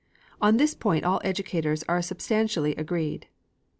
On this point all educators are substantially agreed.